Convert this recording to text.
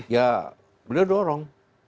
ya beliau dorong